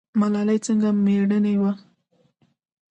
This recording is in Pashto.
ملالۍ څنګه میړنۍ وه؟